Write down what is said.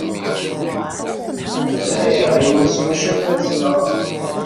Sɛiɣ ayen s wacu ara t-sɣeɣ.